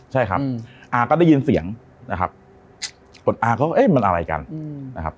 ใช่ครับอาก็ได้ยินเสียงนะครับจนอาก็เอ๊ะมันอะไรกันนะครับ